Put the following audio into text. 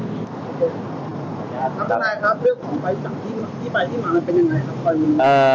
ครับคุณนายครับเรื่องของไปจากที่มาที่ไปที่มาเป็นยังไงครับ